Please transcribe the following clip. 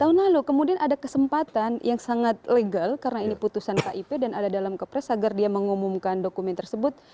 tahun lalu kemudian ada kesempatan yang sangat legal karena ini putusan kip dan ada dalam kepres agar dia mengumumkan dokumen tersebut